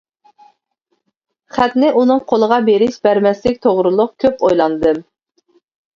خەتنى ئۇنىڭ قولىغا بېرىش-بەرمەسلىك توغرۇلۇق كۆپ ئويلاندىم.